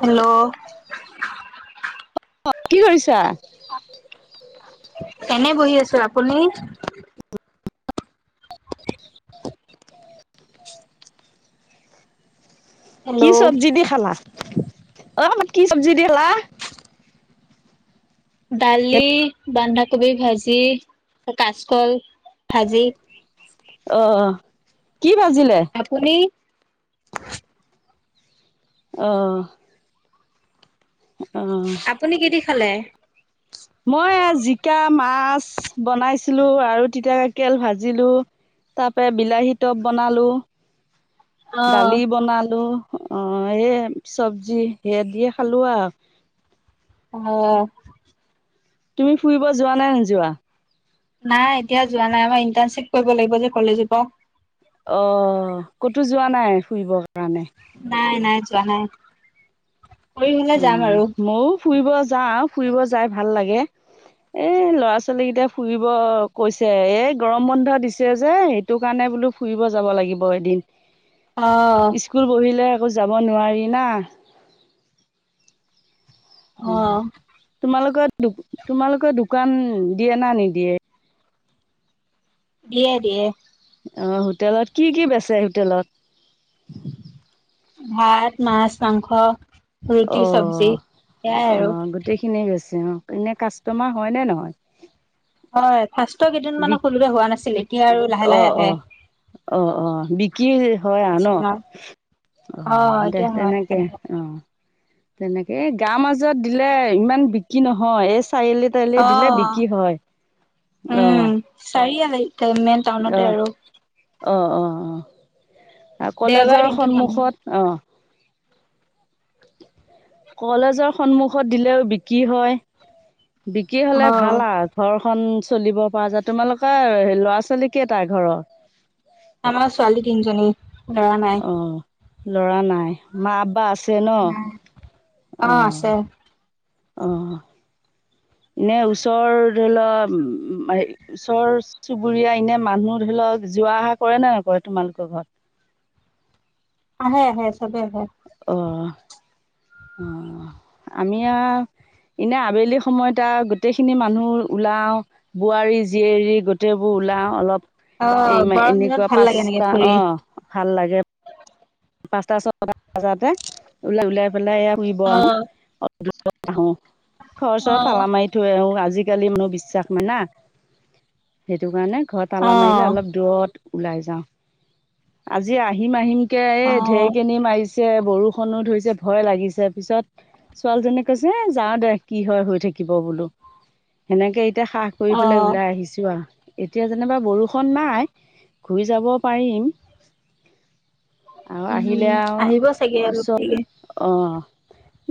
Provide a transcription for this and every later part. Hello? কি কৰিছা? এনে বহি আছো। আপুনি? [inaudible] হেল্ল' কি চব্জি দি খালা? অ'' আমাক কি চব্জি দি খালা? দালি বন্ধাকবি ভাজি কাচকল ভাজি আহ কি বাজিলে? আপুনি? আহ! আহ! খলে? জিকা মাছ বনাইছিলো আৰু তিতা কাৰেলা ভাজিলো। তাৰ পৰা বিলাহী ট'প বনালো অ', দালি বনালো অ', এই চব্জি সেয়া দিয়ে খালো আৰু আহ! তুমি ফুৰিব যোৱানে নোযোৱা? নাই এতিয়া যোৱা নাই আমাৰ ইণ্টাৰণশ্বিপ কৰিব লাগিব যে কলেজৰ পৰা অহ ক'তো যোৱা নাই ফুৰিব? নাই নাই যোৱা নাই। কৰি হলে যাম উম, আৰু মইও ফুৰিব যাওঁ ফুৰিব যাই ভাল লাগে। এ ল'ৰা ছোৱালী কেইটাই ফুৰিব কৈছে এই গৰম বন্ধ দিছে যে সেইটো কাৰণে বোলো ফুৰিব যাব লাগিব এদিন। অ', স্কুল বহিলে আকৌ যাব নোৱাৰি না। অ'। তোমালোকৰ তোমালোকৰ দোকান দিয়ে না নিদিয়ে? দিয়ে দিয়ে। আহ হোটেলত কি কি বেচে হোটেলত? ভাত মাছ মাংস ৰুটি, চব্জি। অ', সেয়াই আৰু অ' গোটেইখিনিয়ে বেছে অ', এনে কাষ্টমাৰ হয়নে নহয়? হয় ফাস্তৰ বি কেইদিনমানো সোলোতে হোৱা নাছিল এতিয়া আৰু লাহে অ লাহে অ আহে। অ', অ' বিক্ৰী হয় আৰু কাষ্টমাৰ ন? অ', অহ দে এতিয়া হোৱা নাই তেনেকে অ' তেনেকে গাৱৰ মাজত দিলে ইমান বিক্ৰী নহয় এই চাৰিআলি তাৰিলি দিলে অ', বিক্ৰী হয় উম, আহ। [unintelligible] মেইন টাউনতে আৰু। অ', অ' অ' আৰু দেওবাৰ কলেজৰ দিনটোত মানুহ সন্মুখত অ' [unintelligible] কলেজৰ সন্মুখত দিলেও বিক্ৰী হয় বিক্ৰী হলে অ', ভাল আৰু ঘৰখন চলিব পৰা যায় তোমালোকৰ ল'ৰা ছোৱালী কেটা ঘৰৰ আমাৰ ছোৱালী তিনিজনী লৰা নাই অ' লৰা নাই মা বা আছে ন অ অহঁ এনে ওচৰ ধৰি ল হ উম হেই ওচৰ চুবুৰীয়া এনে মানুহ ধৰি ল এ যোৱা অহা কৰে নে নকৰে তোমালোকৰ ঘৰত আহে আহে চবে আহে [unintelligible] অ আমি আও এনে আবেলি সময়ত আৰু গোটেই খিনি মানুহ ওলাও বোৱাৰী জিয়াৰী গোটেবোৰ উলাওঁ অলপ অ', এই গৰম দিনত এনেকুৱা ভাল লাগে এনেকে পাঁচটা ফুৰি। অ ভাল লাগে পাঁচটা ছটা বজাতে ওলাই ওলাই পেলাই এ ঘুৰিব আহো অ', আহো ঘৰচৰ অ', তালা মাৰি থৈ আহো আজি পোৱালি মোৰ বিশ্বাস মান না সেইটো কাৰণে ঘৰত তালা মাৰিলে অ', অলপ দূৰত ওলাই যাওঁ আজি আহিম আহিম কে এই অ', ঢেৰকনি মাৰিছে মাৰিছে বৰষুণো ধৰিছে ভয় লাগিছে পিছত ছোৱালীজনী কৈছে যাও দে কি হয় হৈ থাকি থাকিব বোলো সেনেকে এতিয়া সাহ কৰি পেলাই অ', ওলাই আহিছো আৰু এতিয়া যেনিবা বৰষুণ নাই ঘূৰি যাব পাৰিম অ আহিলে উম, আও আহিব চাগে অলপ ওচত অহ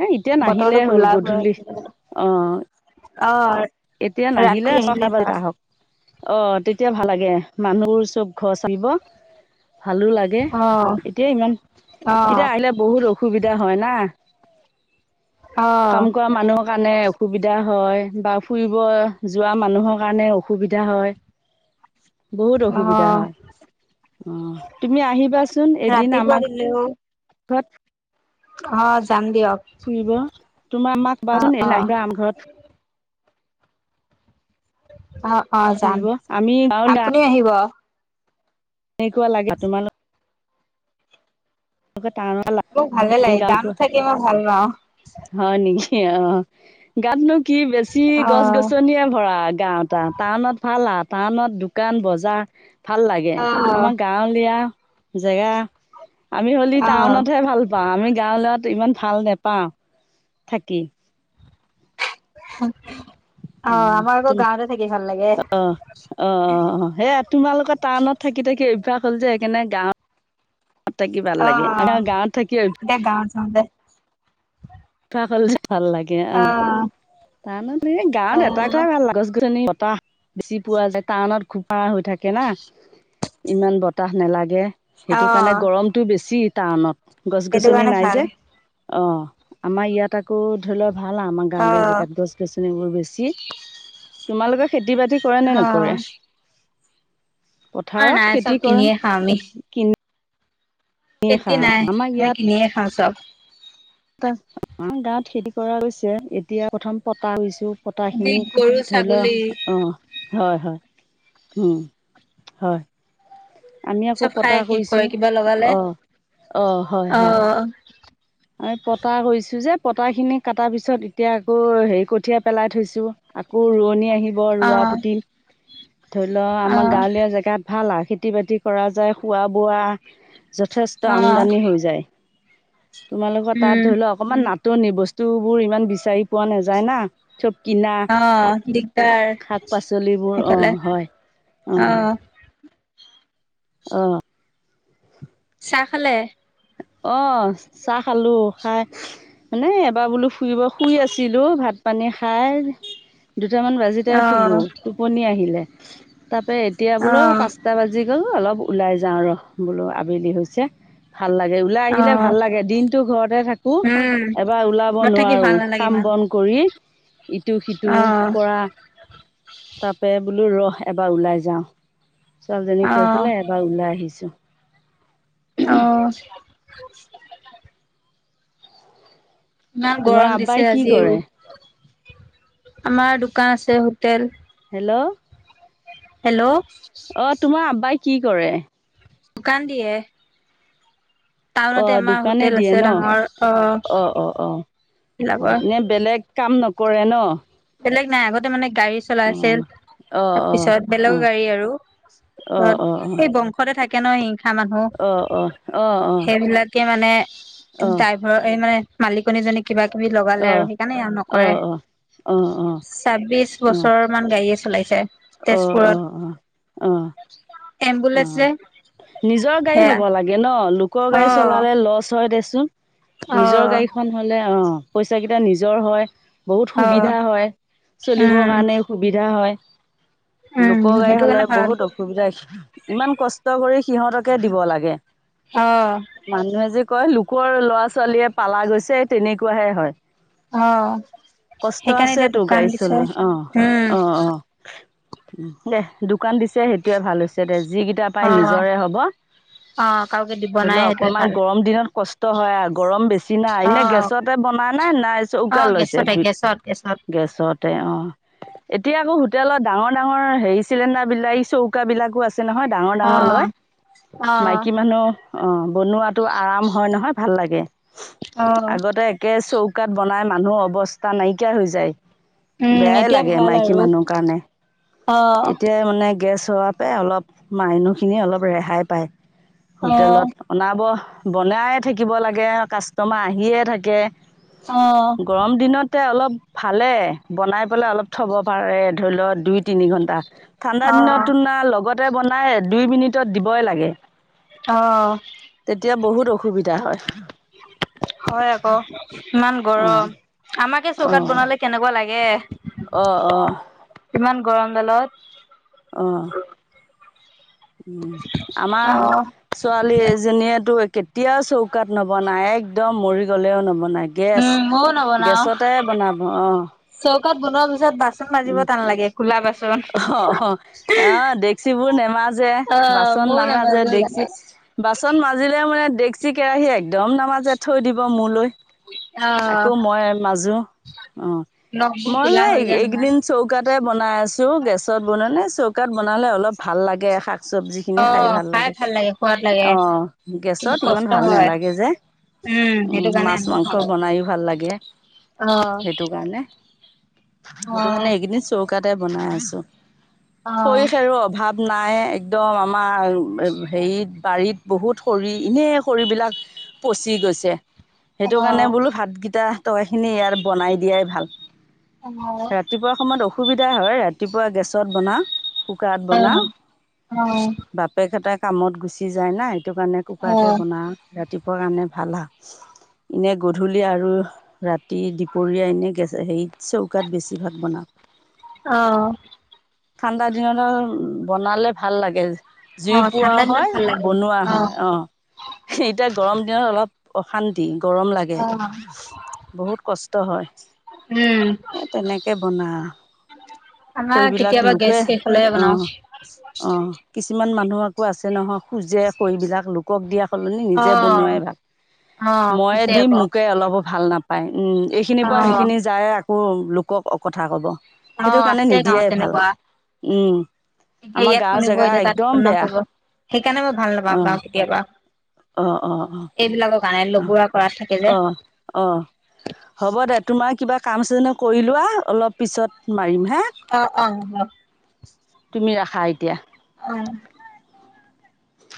বতৰতো কোলা কৰি অঁ আহিছে অ এতিয়া ৰাতি নাহিলে আহিলে ছটা বজাত ভাল আহক অ তেতিয়া ভাল লাগে মানুহবোৰ চব ঘৰ আহিব ভালো লাগে অ', এতিয়া ইমান অ', এতিয়া আহিলে বহুত অসুবিধা হয় না অ', কাম কৰা মানুহৰ কাৰণে অসুবিধা হয় বা ফুৰিব যোৱা মানুহৰ কাৰণে অসুবিধা হয় বহুত অসুবিধা অ', হয় উম তুমি আহিবাচোন এদিন ৰাতিপুৱা আমাৰ ঘৰত দিলেও তত অ যাম দিয়ক তোমাৰ আমাক অ কোৱাচোন অ এদিন আহিবা আমাৰ ঘৰত অ অ যাম ফুৰিব আমি আপুনি আহিব একুৱা লাগে তোমালোক টাউনৰ মোৰ ভালে লাগে গান থাকি মই ভাল পাওঁ হয় অ নেকি গাত মোক কি বেছি গছ অ গছনিয়ে ভৰা গাঁৱত টাউনত ভাল হাত টাউনত দোকান বজাৰ ভাল লাগে অ আমাৰ গাঁৱলীয়া জেগা আমি হলি অ টাউনতহে ভাল পাও আমি গাঁৱলীয়াত ইমান ভাল নেপাওঁ থাকি অ আমাৰ আকৌ তুম গাঁৱতে থাকি ভাল লাগে অ অ অ অ সেইয়া তোমালোকৰ টাউনত থাকি থাকি অভ্যাস হ'ল যে সেইকাৰণে গাঁৱত থাকি ভাল অ লাগে আমাৰ গাঁৱত থাকি এতিয়া গাওঁ চওঁতে এখল ভাল লাগে অ টাউনফালে অ গাঁৱত এটা কা ভাল লাগে গছ-গছ ছনি বতাহ বেছি পোৱা যায় টাউনত ঘোপ হৈ থাকে না ইমান বতাহ নালাগে অ সেইটো কাৰণে গৰমটো বেছি টাউনত গছ সেইটো গছনি কাৰণে নাই ভাল যে অ আমাৰ ইয়াত আকৌ ধৰি লওক ভাল আমাৰ অ গাঁৱলীয়া জেগাত গছ গছনি বোৰ বেছি তোমালোকৰ খেতি খেতি বাতি কৰে নে অ নকৰে অ পথাৰত নাই খেতি চব কৰে কিনিয়ে খাওঁ আমি কিনিয়ে খেতি খাওঁ নাই আমি কিনিয়ে খাওঁ চব। তাৰ গাঁওত খেতি কৰা গৈছে এতিয়া প্ৰথম পতা আনিছোঁ। যি পতাহখিনি গৰু ধৰি লোৱা ছাগলী অ। হয় হয় হয়। আমি আকৌ চব খাই পতা শেষ কৰে কৰিছো, কিবা লগালে অ অ হয় অ হয়। আৰু পতা কৰিছো যে পতা খিনি কটাৰ পিছত এতিয়া আকৌ হেৰি কঠিয়া পেলাই থৈছো। আকৌ ৰোৱনী আহিব অ ৰোৱা পুতিম ধৰি লওক আমাৰ গাঁৱলীয়া জেগাত ভাল আ। খেতি বাতি কৰা যায় খোৱা বোৱা যথেষ্ট অ অ আমদানি হৈ যায়। তোমালোকৰ তাত উম, ধৰি লও অকমান নাটনি বস্তু তো বোৰ ইমান বিচাৰি পোৱা নাযায় না চব কিনা। অ', দিগদাৰ শাক পাচলিবোৰ অ সেইফালে হয় অ। আহ। চাহ খালে? অ চাহ খালো খাই মানে এবাৰ বোলো ফুৰিব শুই আছিলো ভাত পানী খাই দুটামান বাজিতে শুলো অ', টোপনি আহিলে। তাৰাপ এতিয়া বোলো অ', পাঁচটা বাজি গ'ল অলপ ওলাই যাওঁ ৰ বোলো আবেলি হৈছে। ভাল লাগে ওলাই আহিলে অ', ভাল লাগে দিনতটো ঘৰতে থাকো। উম। এবাৰ ওলাব ঘৰত থাকি নোৱাৰো ভাল নালাগে কাম ইমান বন কৰি ইটো সিটো অ', কৰা তাৰাপে বোলো ৰস এবাৰ ওলাই যাও ছোৱালীজনীক কৈ অ', পেলাই এবাৰ ওলাই আহিছো। আহ। ইমান তোমাৰ গৰম আব্বাই দিছে কি আজিও কৰে আমাৰ দোকান আছে হোটেল। হেল্ল' হেল্ল' অ তোমাৰ আব্বাই কি কৰে? দোকান দিয়ে। অ টাউনতে আমাৰ দোকানে হোটেল দিয়ে আছে ন ডাঙৰ অ অ অ। অ বিলাকৰ এনে বেলেগ কাম নকৰে ন। বেলেগ নাই আগতে মানে গাড়ী অ চলাইছিল অ অ তাৰপিছত অ অ বেলেগৰ গাড়ী আৰু। ত অ অ এই বংশতে থাকে। কে ন হিংসা মানুহ অ অ অ অ অ অ অ অ অ অ অ সেইবিলাকে মানে ড্ৰাইভাৰৰ এই মানে মালিকনীজনী কিবা কিবি লগালে আৰু সেইকাৰণে ই নকৰে। ছাব্বিশ বছৰ মান গাড়ীয়ে চলাইছে। আহ অ তেজপুৰত অ আহ। অ এম্বুলেন্ঞ্চ যে নিজৰ গাড়ী সেয়া হ'ব লাগে ন লোকৰ অ গাড়ী চলালে লচ হয় দে অ নিজৰ গাড়ীখন হলে অ পইচা কেইটা নিজৰ হয়। বহুত অ সুবিধা হয় চলিবৰ উম কাৰণে সুবিধা হয়। উম লোক গাড়ী সেইটো হলে কাৰণে ভাল বহুত অসুবিধা ইমান কষ্ট কৰি সিহঁতকে দিব লাগে। অ মানুহে যে কয় লোকৰ লৰা ছোৱালীয়ে পালা গৈছে তেনেকুৱাহে হয়। অ কষ্ট সেইকাৰণে আছে এতিয়া তো দোকান গাড়ী দিছে চলোৱা অ উম অ অ। দে দোকান দিছে সেইটোয়ে ভাল হৈছে দে যিকিটা পাই অ নিজৰে হব। অ কাওকে দিব ধৰি নাই লও সেইটোৱে অকমান ভাল গৰম দিনত কষ্ট হয় আৰু গৰম বেছি নাই অ এনে গেছতে বন বনা নাই নাই অ চৌকা লৈছে গেছতে গেছত গেছত গেছতে অ এতিয়া আকৌ তেতিয়া হলে ডাঙৰ ডাঙৰ হেৰি চিলণ্ডাৰলাক এই চৌকা বিলাকো আছে। নহয় ডাঙৰ অ ডাঙৰ লয় অ মাইকী মানুহ অ বনোৱাতো আৰাম হয় নহয় ভাল লাগে অ আগতে একে চৌ কাত বনাই মানুহৰ অৱস্থা নাইকিয়া হৈ যায় উম বেয়াই এতিয়া লাগে ভাল মাইকী আৰু মানুহ কাৰনে। অ এতিয়া মানে গেছ চলোৱা পৰাই অলপ মানুহখিনি অলপ ৰেহাই পায় অ', হোটেলত অনাব। বনাইে থাকিব লাগে কাষ্টমাৰ আহিয়ে থাকে। অ', গৰম দিনতে অলপ ভালে বনাই পেলাই অলপ থব পাৰে ধৰি লও দুই তিনি ঘন্টা ঠাণ্ডা দিনত অ', তুলনা লগত তে বনাই দুই মিনিটত দিবই লাগে অ', তেতিয়া বহুত অসুবিধা হয় হয় আকৌ ইমান অঁ গৰম আমাকে চৌকাত বনালে কেনেকুৱা লাগে অ অ ইমান গৰম দালত আহঁ উম আমাৰ অ', ছোৱালী এজনীয়েেতো কেতিয়াও চৌকাত নবনায় একদম মৰি গ'লেও নবনায় গেছ উম, ময়ো নবনাও গেছতে বনাব অ ত বনোৱাৰ পিছত বাচনাজিব টান লাগে খোল বাচন অ অ আহ ডেক্চিবোৰ নেমাজে অ', বাচন ময়ো নামাজে নামাজো ডেক্চি গেছ। বাচন মাজিলে মানে ডেকচি কেৰাহী একদম নামাজে থৈ দিব মূলৈ অ', আকৌ মই মাজো অ নখবোৰ মই কোলা যে হৈ যায় নহয়। এইকেইদিন চৌকাতে বনাই আছো গেছত বন নে চৌকাত বনালে অলপ ভাল লাগে শাক চব্জি খিনি খাই ভাল লাগে অ কিন্তু গেছত ইমান কষ্ট ভাল হয়। নালাগে যে উম সেইটো কাৰণে মাছ আমিও মাংস খাওঁ। বনাইো ভাল লাগে অ সেইটো কাৰণে সেইটো অ', কাৰানে এইকেইদিন চৌকাতে বনাই আছো অ', শৰিসেৰো অভাৱ নাই একদম আমাৰ হেৰিত বাৰীত বহুত খৰি এনেই খৰিবিলাক পচি গৈছে সেইটো কাৰণে অ', বোলো ভাতকেইটা টকা খিনি ইয়াৰ বনাই দিয়াই ভাল ৰাতিপুৱা সময়ত অসুবিধা হয় ৰাতিপুৱা গেছত বনা কুকাৰত অ', বনাওঁ অ', অ'। বাপেক এটা কামত গুচি যায় না সেইটো কাৰণে কুকাৰুতে অ', বনা ৰাতিপুৱা কাৰণে ভাল আহ এনে গধূলি আৰু ৰাতি দুপৰীয়া এনে হেৰিত চৌকাত বেছিভাগ বনাওঁ অ ঠাণ্ডা দিনত বনালে ভাল লাগে জুই অ', পোৱাও ঠাণ্ডা দিনত হয় ভাল লাগে। বনোৱা হয় অ', আহ এতিয়া গৰম দিনত অলপ অশান্তি গৰম লাগে অ', বহুত কষ্ট হয় উম, এ তেনেকে বনা আমাৰ সবিলাক কেতিয়াবা গেছ লোকে শেষ হ'লেহে অ বনাও। অ কিছুমান ইমান মানুহ আকৌ আছে নহয় খোজে সৈবিলাক লোকক দিয়া সলনি নিজে বনোৱাই ভাল অ', ময়ে পিছে দিম আকৌ মোকে অলপো ভাল নাপায় পাই উম এইখিনিৰ পৰা অ', সেইখিনি যায় আকৌ লোকক কথা কব সেইটো অ', কাৰণে আছে নিদিয়াই ভাল উম এ আমাৰ ইয়াত গাঁৱৰ শুনিব জেগা এতিয়া একদম তাতৎন বেয়া কৰিব সেইকাৰণে মই ভাল নাপাওঁ গাও কেতিয়াবা আহ অ অ এইবিলাকৰ কাৰণে অ লগুৰা কৰাত থাকে যে। অ অ হ'ব দে তোমাৰ কিবা কাম চনে কৰিলোৱা আৰু অলপ পিছত মাৰিম হা অ অ অ তুমি ৰাখা এতিয়া উ